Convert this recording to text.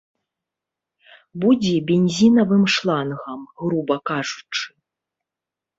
Будзе бензінавым шлангам, груба кажучы.